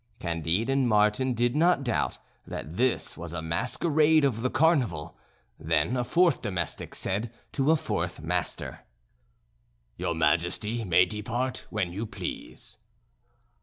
Candide and Martin did not doubt that this was a masquerade of the Carnival. Then a fourth domestic said to a fourth master: "Your Majesty may depart when you please."